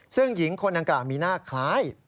ซึ่งหญิงคนดังกล่าวมีหน้าคล้าย